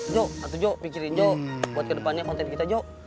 jo satu jo pikirin jo buat kedepannya konten kita jo